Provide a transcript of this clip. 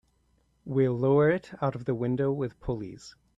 We'll lower it out of the window with pulleys.